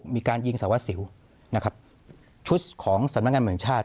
มีการยิงสารวัสสิวนะครับชุดของสำนักงานเมืองชาติ